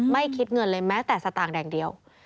ไม่คิดเงินเลยแม้แต่สตางค์แดงเดียว